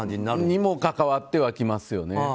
それにも関わってきますよね。